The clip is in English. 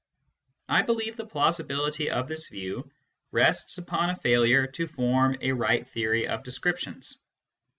I believe the plausibility of this view rests upon a failure to form a right theory of descriptions.